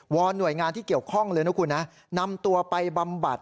อนหน่วยงานที่เกี่ยวข้องเลยนะคุณนะนำตัวไปบำบัด